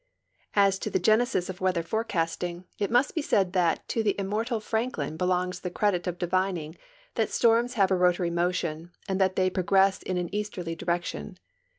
As to the genesis of weather forecasting, it must be said that to the immortal Franklin belongs the credit of divining that storms have a rotary motion a nd that the}'^ progress in an easterly direction.